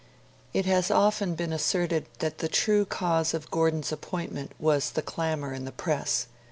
It has often been asserted that the true cause of Gordon's appointment was the clamour in the Press.